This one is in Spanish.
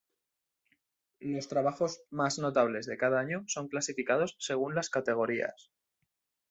Los trabajos más notables de cada año son clasificados según las categorías.